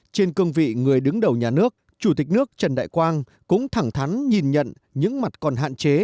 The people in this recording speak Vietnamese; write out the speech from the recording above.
trên cương vị người đứng đầu nhà nước chủ tịch nước trần đại quang cũng thẳng thắn nhìn nhận những mặt còn hạn chế trong năm hai nghìn một mươi bảy vừa qua